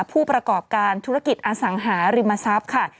ผู้ประกอบการธุรกิจอสังหาริมทรัพย์ค่ะ